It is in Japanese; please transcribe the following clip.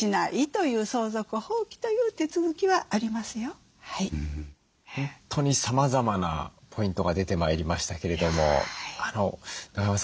本当にさまざまなポイントが出てまいりましたけれども中山さん